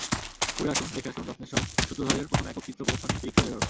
ঘুরে আসুন, দেখে আসুন রত্নেশ্বর সূত্রধরের প্রথম একক চিত্র প্রদর্শনী-পিক্সেল এরর।